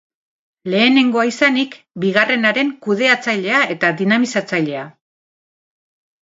Lehenengoa izanik bigarrenaren kudeatzailea eta dinamizatzailea.